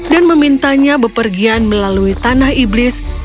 dan memintanya bepergian melalui tanah iblis